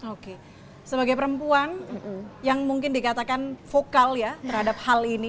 oke sebagai perempuan yang mungkin dikatakan vokal ya terhadap hal ini